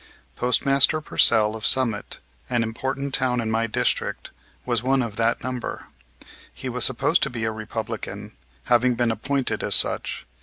Postmaster Pursell, of Summit, an important town in my district, was one of that number. He was supposed to be a Republican, having been appointed as such.